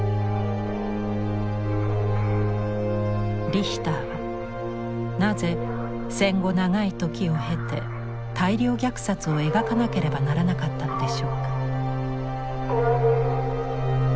リヒターはなぜ戦後長い時を経て大量虐殺を描かなければならなかったのでしょうか？